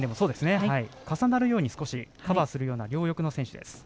重なるように、カバーするような両翼の選手です。